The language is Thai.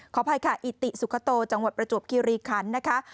อภัยค่ะอิติสุขโตจังหวัดประจวบคิริคันนะคะ